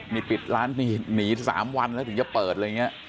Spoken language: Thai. มีปิดร้านหนี๓วันแล้วถึงจะเปิดเลยเนี่ย